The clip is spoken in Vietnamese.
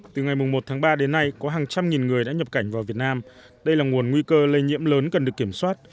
từ ngày một tháng ba đến nay có hàng trăm nghìn người đã nhập cảnh vào việt nam đây là nguồn nguy cơ lây nhiễm lớn cần được kiểm soát